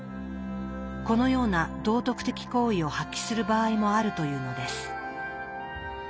このような道徳的行為を発揮する場合もあるというのです。